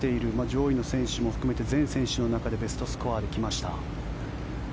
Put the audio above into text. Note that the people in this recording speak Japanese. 上位の選手も含めて全選手の中でベストスコアで来ました。